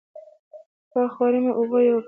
د کال خواري مې اوبو یووړه.